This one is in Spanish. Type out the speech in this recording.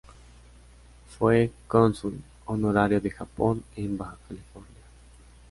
Fue cónsul honorario de Japón en Baja California.